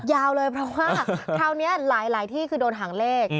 ยาวเลยเพราะว่าคราวนี้หลายที่คือโดนหางเลข